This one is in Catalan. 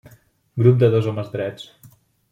Grup de dos homes drets.